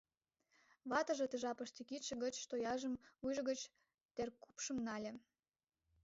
Ватыже ты жапыште кидше гыч тояжым, вуйжо гыч теркупшым нале.